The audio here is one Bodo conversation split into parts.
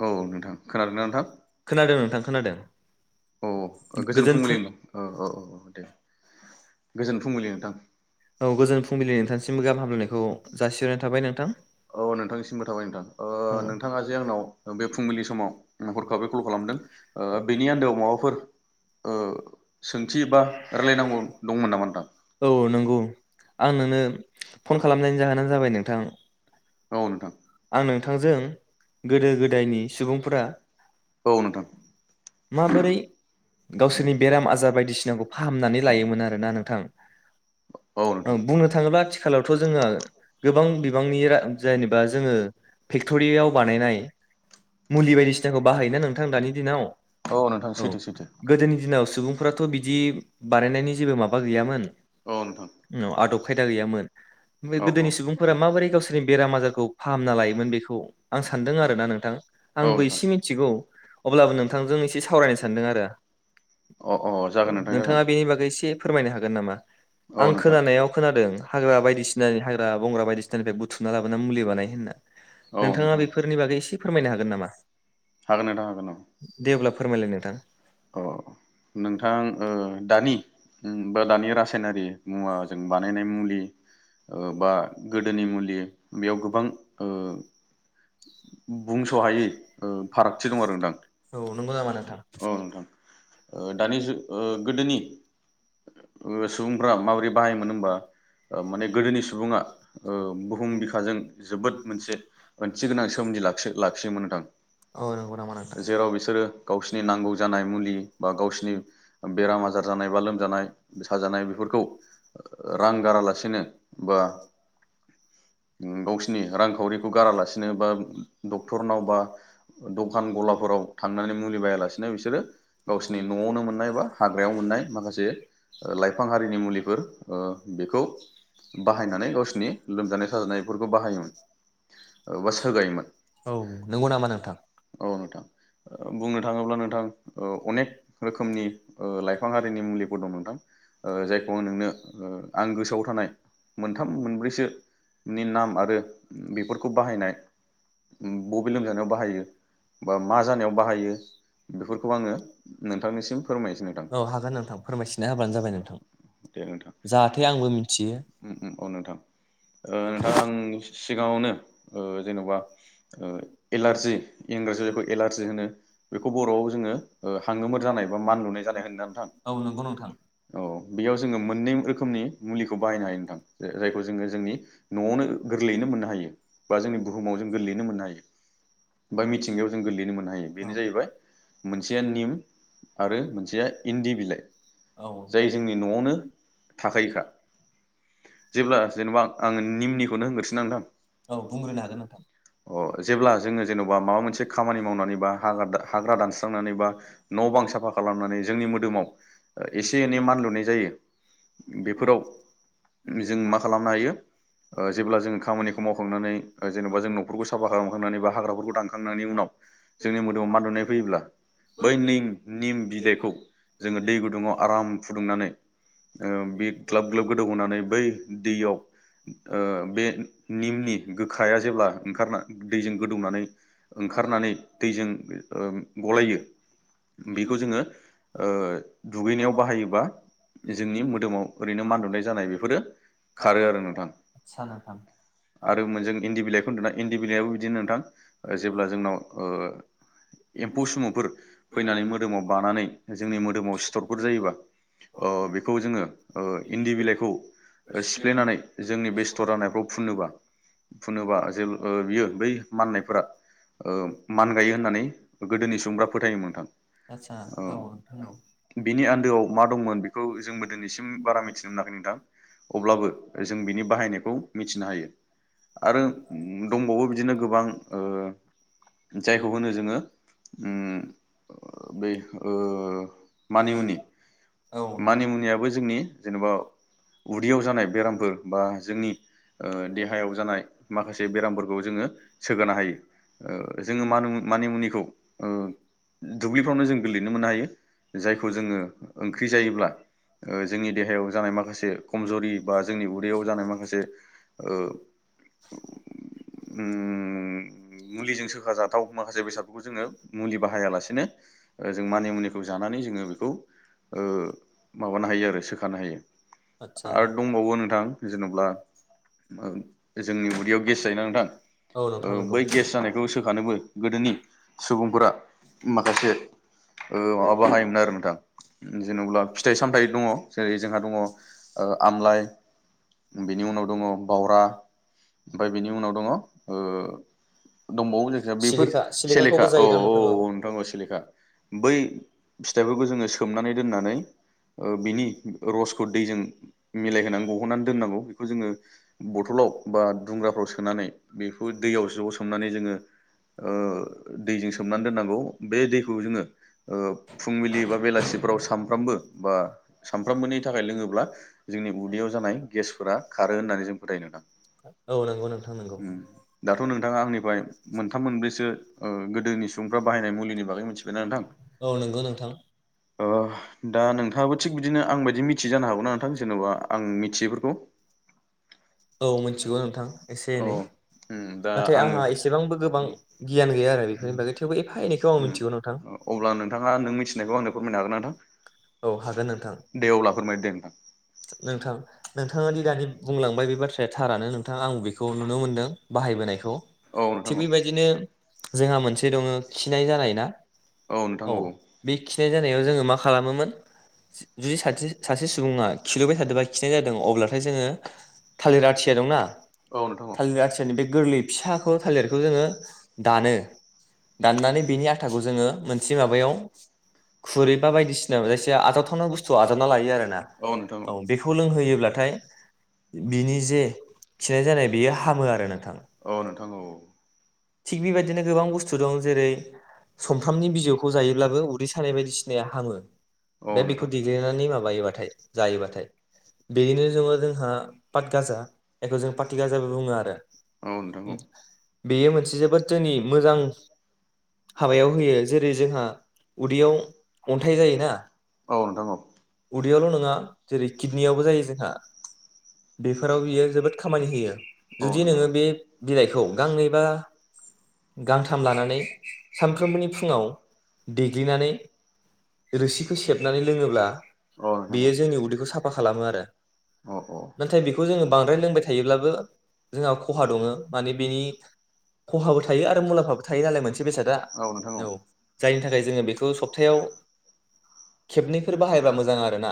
औ नोंथां खोनादोंना नोंथां खोनादों नोंथां खोनादों औ गोजोन फुंबिलिनि औ-औ-औ दे गोजोन फुंबिलि नोंथां औ गोजोन फुंबिलिनि नोंथांसिमबो गाहाम हामलायनायखौ जासिहरनाय थाबाय नोंथां औ नोंथांनिसिमबो थाबाय नोंथां ओ औ नोंथाङा जे आंनाव बे फुंबिलि समाव हरखाबै कल खालामदों बेनि आन्दोआव माबाफोर ओ सोंथि बा रायलायनांगौ दंमोन नामा नोंथां औ नंगौ आं नोंनो फन खालामनायनि जाहोनानो जाबाय नोंथां औ आं नोंथांजों गोदो-गोदायनि सुबुंफोरा औ ओ नोंथां माबोरै गावसोरनि बेराम-आजार बायदिसिनाखौ फाहामनानै लायोमोन आरो [unintelligible] औ बुंनो थाङोब्ला आथिखालावथ' जोङो गोबां बिबांनि जेनेबा जोङो फेक्ट'रियाव बानायनाय मुलि बायदिसिनाखौ बाहायोना नोंथां दानि दिनाव नोंथां औ सैथो सैथो गोदोनि दिनाव सुबुंफोराथ' बिदि बानायनायनि जेबो माबा गैयामोन औ आदब खायदा गैयामोन बे औ गोदोनि सुबुंफोरा माबोरै गावसोरनि बेराम-आजारखौ फाहामना लायोमोन बेखौ आं सानदों आरो ना नोंथां औ आंबो नोंथां एसे मिथिगौ अब्लाबो नोंथांजों एसे सावरायनो सानदों आरो अ अ जागोन नोंथां जागोन नोंथाङा बेनि बागै एसे फोरमायनो हागोन नामा औ आं नोंथां खोनानायाव खोनादों हाग्रा बायदिसिना हाग्रा-बंग्रा बायदिसिनानिफ्राय बु थुमना लाबोना मुलि बानाय होनना, औ नोंथाङा नोंथां बेफोरनि बागै एसे फोरमायनो हागोन नामा हागोन नोंथां हागोन औ दे अब्ला फोरमायलाय नोंथां अ नोंथां ओ दानि बा दानि रासायनारि मुवाजों बानायनाय मुलि ओ बा गोदोनि मुलि बेयाव गोबां ओ बुंस'हायै ओ फारागथि दं आरो नोंथां औ नंगौ नामा नोंथां औ [inaudible] ओ दानि जुग ओ गोदोनि सुबुंफ्रा माबोरै बाहायोमोन होमबा माने ओ गोदोनि सुबुङा ओ बुहुम बिखाजों जोबोद मोनसे ओंथि गोनां सोमोन्दो लाखि-लाखियोमोन नोंथां औ नंगौ नामा नोंथां जेराव बिसोरो गावसिनि नांगौ जानाय मुलि बा गावसिनि बेराम आजार जानाय बा लोमजानाय-साजानाय बेफोरखौ रां गारालासिनो बा गावसिनि रां-खावरिखौ गारालासिनो बा डक्टरनाव बा दखान-गलाफोराव थांनानै मुलि बायालासेनो नो बिसोरो गावसिनि न'आवनो मोननाय बा हाग्रायाव मोननाय माखासे लाइफां हारिनि मुलिफोर ओ बेखौ बाहायनानै गावसिरनि लोमजानाय-साजानायफोरखौ बाहायोमोन बा सोगायोमोन औ नंगौ नामा नोंथां औ नोंथां बुंनो थाङोब्ला नोथां दां ओ अनेक रोखोमनि ओ लाइफां हारिनि मुलिफोर दं नोंथां जायखौ आं नोंनो आं गोसोआव थानाय मोनथाम मोनब्रैसोनि नाम आरो बेफोरखौ बाहायनाय बबे लोमजानायाव बाहायो बा मा जानायाव बाहायो बेफोरखौ आङो नोंथांनिसिम फोरमायनोसै नोंथां औ हागोन नोंथां फोरमायथिना होबानो जाबाय नोंथां दे नोंथां जाहाथे आंबो मिथियो औ नोंथां, नोंथां आं सिगाङावनो ओ जेन'बा एलारजि इंराजि जायखौ एलारजि होनो बेखौ बर'आव जों ओ हांगोमोर जानाय बा मान लुनाय जानाय होनना नोंथां औ नंगौ नोंथां औ बेयाव जोङो मोननै रोखोमनि मुलिखौ बाहायनो हायो नोंथां जायखौ जोङो जोंनि न'आवनो गोरलैयैनो मोननो हायो बा जोंनि बुहुमाव जों गोरलैयैनो मोननो हायो बा मिथिंगायाव जों गोलैनो मोननो हायो बेनो जाहैबाय मोनसेया निम आरो मोनसेया इन्दि बिलाइ औ जाय जोंनि न'आवनो थाखायोखा। जेब्ला जेनेबा आंङो निमनिखौनो हग्रोसोन नोंथां? अ बुंग्रोनो हागोन। अ जेब्ला जोङो जेनेबा माबा मोनसे खामानि मावनानै बा हाग्रा दा हाग्रा दानस्रांनानै बा न' बां साफा खालामनानै जोंनि मोदोमाव एसे एनै मान लुनाय जायो बेफोराव जों मा खालामनो हायो जेब्ला जों खामानिखौ मावखांनानै जेनेबा जों न'फोरखौ साफा खालामखांनानै बा हाग्राफोरखौ दानखांनायनि उनाव जोंनि मोदोमाव मान लुनाय अब्ला बै निम निम बिलाइखौ जोङो दै गुदुङाव आराम फुदुंनानै ओ ग्ला ग्लाब गोदौ बै दैयाव ओ बे निमनि गोखाया जेब्ला ओंखारना दैजों गोदौनानै ओंखारनानै दैजों ओ गलायो बेखौ जोङो ओ दुगैनायाव बाहायोबा जोंनि मोदोमाव ओरैनो मान लुनाय फोरो खारो आरो नोंथां आदसा नोंथां आरो जों इन्दि बिलाइखौ होनदोंना इन्दि बिलाइयाबो बिदिनो नोंथां जेब्ला जोंनाव ओ एम्फौ सुमुफोर फैनानै मोदोमाव बानानै जोंनि मोदोमाव सिथरफोर जायोबा ओ बेखौ जोङो ओ इन्दि बिलाइ सिफ्लेनानै जोंनि बे सिथर जानायफ्राव फुनोबा फुनोबा जे बियो बै माननायफोरा मान गायो होननानै गोदोनि सुबुंफ्रा फोथायोमोन नोंथां आदसा औ नोंथां औ बिनि आन्दोआव मा दंमोन बेखौ जोंबो दिनैसिम बारा मिथिनो मोनाखै अब्लाबो जों बिनि बाहायनायखौ मिथिनो हायो आरो दंबावो बिदिनो गोबां ओ जायखौ होनो जोङो बै ओ मानिमुनि औ मानिमुनियाबो जोंनि जेनेबा उदैयाव जानाय बेरामफोर बा जोंनि देहायाव जानाय माखासे बेरामफोरखौ जोङो सोगानो हायो जोङो मानिमुनिखौ ओं दुब्लिफ्रावनो जों गोरलैनो मोननो हायो जायखौ जोङो ओंख्रि जायोब्ला जोंनि देहायाव जा माखसे खमजरि बा जोंनि उदैयाव जानाय माखासे ओ उम्म मुलिजों सोखा जाथाव माखासे बेसादफोरखौ जोङो मुलि बाहायालासेनो ओ जों मानि मुनिखौ जानानै जोङो बेखौ ओ माबानो हायो आरो सोखानो हायो। आदसा आरो दंबावो नोंथां जेनबा जोंनि उदैयाव गेस जायोना नोंथां औ नोंथां नंगौ बै गेस जानायखौ सोखानोबो गोदोनि सुबुंफोरा माखासे ओ बाहायोमोन आरो नोंथां जेन'बा फिथाइ सामथाइ दङ जेरै जोंहा दं ओ आमलाइ बिनि उनाव दङ बावरा ओमफ्राय बेनि उनाव दङ दंबावो जायखिजाया बेफोर सिलिखा सेलेखा सिलिखाखौबो औ जायोदां नोंथां औ नोंथां सिलिखा बै फिथाइफोरखौ जोङो सोमनानै दोननानै बिनि रस खौ गुरदैजों मिलायहोनानै गहोननानै दोननांगौ बेखौ जोङो बथलाव बा दुंग्राफ्राव सोनानै बेखौ दैयाव ज' सोमनानै जोङो ओ दैजों सोमनानै दोननांगौ बे दैखौ जोङो ओ फुंबिलि बा बेलासिफोराव सानफ्रामबो बा सानफ्रोमबोनि थाख लोङोब्ला जोंनि उदैयाव जानाय गेसफोरा खारो होननानै जों फोथाय नोंथां औ अ नंगौ नोंथां नंगौ नोंथां दाथ' नोंथाङा आंनिफ्राय मोनथाम मोनब्रैसो ओ गोदोनि सुबुंफ्रा बाहायनाय मुलिनि बागै मिथिबायना नोंथां औ नंगौ नोंथां दा नोंथाङाबो थिग बिदिनो आं बायदि [inaudible] मिथि औ मिथिगौ नोंथां एसे औ एनै उम दा नाथाय आङो आंहा एसेबांबो गोबां उम उम गियान गैया आरो बेफोरनि बागै थेवबो एफा एनैखौ आं उम मिथिगौ नोंथां अब्ला नोंथाङा नों मिथिनायखौ आंनो [inaudible] फोरमायनो हागोन ना नोंथां [inaudible] औ हागोन नोंथां। दे अब्ला फोरमायदो दे नोंथां नोंथां नोंथाङा दि दानि बुंलांबाय बे बाथ्राया थारानो नोंथां। नोंथां आं बेखौ नुनो मोनदों। बाहायबोनायखौ, औ नोंथां थिग औ बेबायदिनो जोंहा मोनसे दङ। खिनाय जानाय ना औ बे खिनाय जानायाव जोङो मा खालामोमोन? जुदि सासे सुबुङा खिलुबबाय थादोंबा खिनाय जादों, अब्लाथाय जोङो थालिर आथिया दंना। औ नोंथां औ नोंथां औ थालिर आथियानि बे गोरलै फिसाखौ थालिरखौ जोङो दानो, दाननानै बेनि आथाखौ जोङो मोनसे माबायाव, खुरै बा बायदिसिना जायखिजाया आथाव थाव बुस्थुआव आजावना लायो आरोना। औ बेखौ लोंहोयोब्लाथाय। बिनि जे खिनाय जानाय बेयो हामो आरो नोंथां, औ नोंथां औ थिग बेबायदिनो गोबां बुस्थु दं जेरै सफ्रामनि बिजौखौ जायोब्लाबो उदै सानाय बायदिसिनाया हामो। औ दा नोंथां बेखौ दि- देनानै माबायोबाथाय। जायोबाथाय, बेनिनो दङ जोंहा। पातगाजा बेखौ जों पातगाजाबो बुङो आरो। औ नोंथां बेयो मोनसे जोबोद जोंनि मोजां, हाबायाव होयो, जेरै जोंहा उदैयाव अन्थाइ जायोना। औ नोंथां औ नोंथां औ उदैयावल' नङा, जेरै किडनियावबो जायो जोंहा। बेफोराव बियो जोबोद खामानि होयो जुदि नोङो नोंथां बे बिलाइखौ गांनै बा गांथाम लानानै सानफ्रोमबोनि फुङाव, देग्लिनानै रोसिखौ सेबनानै लोङोब्ला। बेयो औ जोंनि उदैखौ साफा खालामो आरो, औ औ नाथाय बेखौ जोङो बांद्राय लोंबाय थायोब्लाबो जोंहा खहा दङ। माने बेनि खहाबो थायो आरो मुलामफाबो थायो नालाय मोनसे बेसादा। औ नोंथां औ जायनि थाखाय जोङो बेखौ सप्थायायाव खेबनैफोर बाहाय मोजां आरोना।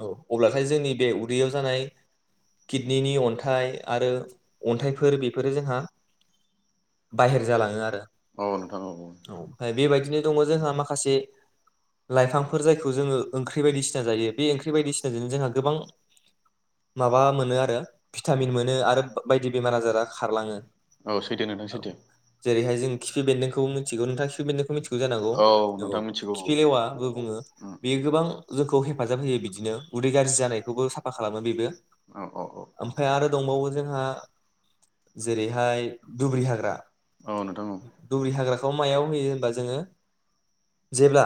औ अब्लाथाय जोंनि बे उदैयाव जानाय किडनि अन्थाइ आरो अन्थाइफोर बेफोरो जोंहा [unintelligible] जालाङो आरो औ नोंथां औ ओमफ्राय बेबाय बेबायदिनो दं दङ जोंहा माखासे लाइफांफोर जायखौ जोङो लाइफां। ओंख्रि बायदिसिना जायो, बे ओंख्रि बायदिसिनाजोंनो जोंहा गोबां माबा मोनो आरो, भिटामिन मोनो आरो बायदि बेमार आजारा खारलाङो। औ सैथो नोंथां औ। सैथो जेरैहाय जों खिफि बेन्दोंखौबो मिथिगौ नोंथाङा खिफि बेन्दोंखौ मिथिगौ जानांगौ? औ नोंथां मिथिगौ औ खिफि लेवा बो बुङो बे गोबां जोंखौ हेफाजाब होयो बिदिनो, उदै गाज्रि जानायखौबो साफा खालामो बेबो। औ औ औ औ ओमफ्राय आरो दंबावो जोंहा जेरैहाय दुब्रि हाग्रा, औ नोंथां दुब्रि हाग्राखौ मायाव होयो होनबा? जोङो जेब्ला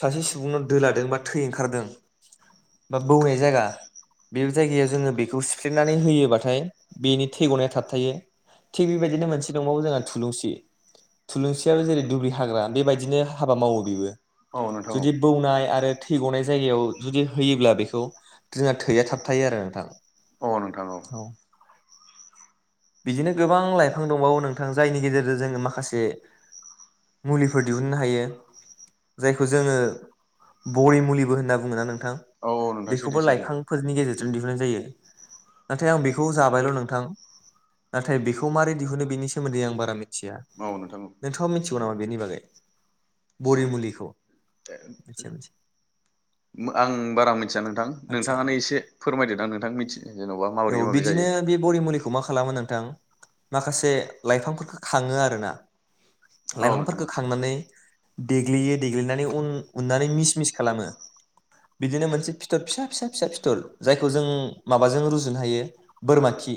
सासे सुबुंनाव दोलादो जेनिबा थै ओंखारदों, बौवनाय जायगा। बे जायगायाव जों बेखौ सिफ्लेनानै होब्लाथाय बिनि थै गनाया थाबथायो। थिग बि बादिनो मोनसे दंबावो थुलुनसि थुलुनसियोबो जेरै हाग्रा, बिबादिनो मावो बेबो, औ नोंथां औ जुदि बौनाय आरो थै गनाय जायगायाव जुदि होयोब्ला बेखौ, जोंना थैया थाब थायो आरो नोंथां औ। बिदिनो गोबां लाइफां दंबावो नोंथां, जायनि गेजेरजों जोङो माखासे मुलिफोर दिहुननो हायो। जायखौ जोङो बरि मुलिबो होनना बुंङोना नोंथां औ नोंथां सैथो बेखौबो सैथो लाइफांफोरनि गेजेरजों दिहुनन्नाय जायो नाथाय आं बेखौ जाबायल' नोंथां। नाथाय बेखौ मारै दिहुनो बेनि सोमोन्दै आं बारा मिथिया औ नोंथां नोंथांङा मिथिगौ नामा बेनि बागै? औ बरि मुलिखौ मिथिया मिथिया। आं बारा मिथिया नोंथां नोंथाङानो एसे फोरमायदोदां नोंथां मिथि जेन'बा माबोरै औ माबोरै जायो बिदिनो बे बरिमुलिखौ मा खालामो नोंथां? माखासे लाइफांफोरफोरखौ खांङो आरोना। औ नोंथां लाइफांफोरखौ खांनानै देग्लियो देग्लिनानै उन उननानै मिस मिस खालामो बिदिनो मोनसे फिथर फिसा फिसा फिसा फिथर जायखौ जों माबाजों रुजुनो हायो बोरमा खि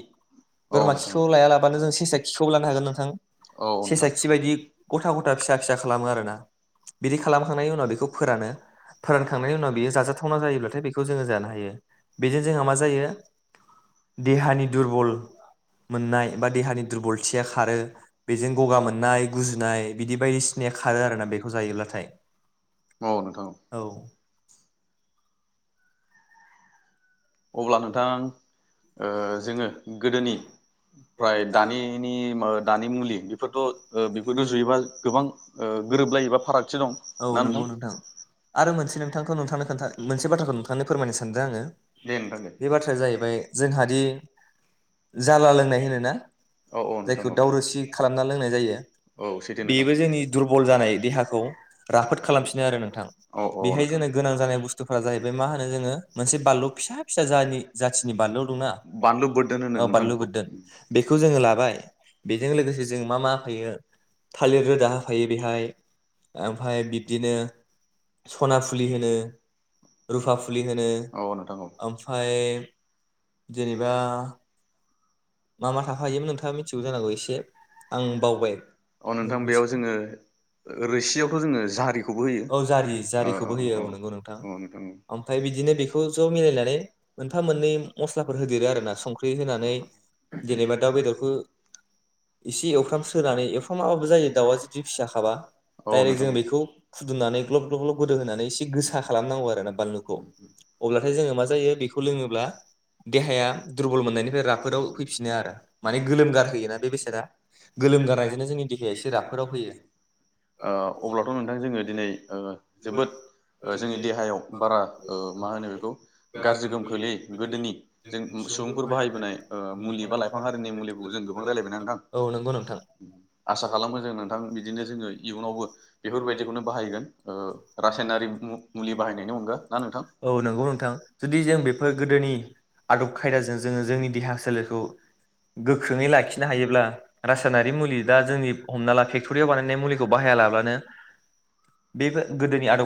औ बोरमा नोंथां खिखौ लायालाबानो जों सेसा खिखौ लानो हागोन नोंथां औ औ सेसा नोंथां खि बिबायायदि गथा गथा फिसा फिसा खालामो आरोना बिदि खालामखांनायनि उनाव बेखौ फोरानो फोरानखांनायनि उनाव बेयो जाजाथावना जायोब्लाथाय बेखौ जोङो जानो हायो बेजों जोंहा मा जायो देहानि दुरबल मोननाय बा देहानि दुरबलथिया खारो बेजों गगा मोन आरोना बेखौ जायोब्लाथाय औ नोंथां। औ। औ अब्ला नोंथां ओ जोङो गोदोनि ओमफ्राय दानिनि दानि मुलि बेफोरथ' ओ बेखौ रुजुयोबा गोबां ओ गोरोबलायोबा फारागथि दं ना नंगौ नोंथां आरो मोनसे नोंथांखौ नोंथांथ मोनसे बाथ्राखौ नोंथांनो फोरमायनो सानदों आङो। दे नोंथां दे बे बाथ्राया जाहैबाय जोंहाद जाला लोंनाय होनोना औ नोंथां औ जायखौ दावरोसि खालामना लोंनाय जायो औ सैथो नोंथां बेबो जोंनि दुरबल जानाय देहाखौ राफोद खालामफिनो आरो नोंथां औ बेहाय जोंनो गोनां नोंथां जानाय बुस्थुफोरा जाहैबाय मा होनो जोङो मोनसे बानलु। फिसा फिसा जाथिनि बानलु दंना बानलु बोरदोन होनो औ नोंथां बानलु बेखौ बोदोन बेखौ जोङो लाबाय बेजों लोगोसे जों मा मा होफायो थालिर रोदा होफायो बेहाय ओमफफ्राय बिब्दिनो सना फुलि होनो रुफा फुलि होनो। औ नोंथां औ ओमफ्राय जेनेबा मा मा थाफायोमोन नोंथाङा मिथिगौ जानांगौ एसे आं बावबाय औ नोंथां बेयाव जोङो रोसियावथ' जोङो जारिखौबो होयो औ जारि औ जारिखौबो औ होयो नगौ औ नोंथाङा नोंथां ओमफ्राय बिदिनो बेखौ ज' मिल नानै मोनथा मोननै मस्लाफोर होदेरो आरोना संख्रि होनानै जेनेबा दाउ बेदरखौ एसे एवफ्राम सोनानै एवफ्रामाबाबो जायो दाउआ जुदि फिसााखाबा औ दायरेक्ट नोंथां जों बेखौ फुदुंनानै ग्लब ग्लब ग्लब गोदो होनानै एसे गोसा खालामनांगौ आरो ना बानलुखौ अब्लाथाय जोङो बेखौ लोङोब्ला देहाया दुरबल मोननायनिफ्राय राफोदाव आरो माने गोलोमगार होयोना बे बेसादा गोलोम गारनायजोंनो जोंनि देहाया एसे राफोदाव फैयो अब्लाथ' नोंथां जोङो दिनै जोबोद जोंनि देहायाव बारा मा होनो बेखौ गाज्रि गोहोम खोलै गोदोनि जों सुबुंफोर बाहायबोनाय। लाइफां हारिनि मुलिखौ जों गोबां रायलायबाय नोंथां औ नंगौ नोंथां आसा खालामो जों नोंथां बिदिनो जोङो इयुनावबो बेफोरबायदिखौनो बाहायगोन रासायनारि मुलि बाहायनायनि अनगा ना नोंथां। औ नंगौ नोंथां जुदि जों बेफोर गोदोनि आदब खायदाजों जोङो जोंनि देहा गोख्रोङै लाखिनो हायोब्ला रासायनारि मुलि दा जोंनि हमना ला फेक्ट'रियाव बानायनाय मुलिखौ बाहाया लाब्लानो बे गोदोनि आदब